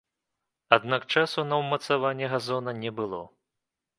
Аднак часу на ўмацаванне ў газона не было.